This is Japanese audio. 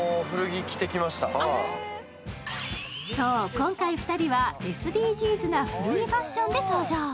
今回、２人はＳＤＧｓな古着ファッションで登場。